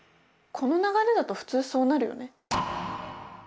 この流れだと普通そうなるよね。